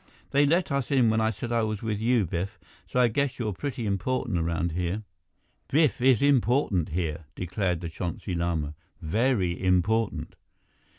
They let us in when I said I was with you, Biff, so I guess you're pretty important around here." "Biff is important here," declared the Chonsi Lama. "Very important."